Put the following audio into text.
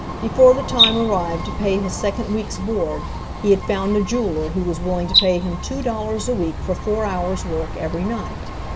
Before the time arrived to pay his second week's board he had found a jeweler who was willing to pay him two dollars a week for four hours' work every night.